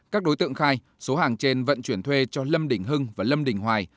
các đối tượng khai số hàng trên vận chuyển thuê cho lâm đình hưng và lâm đình hoài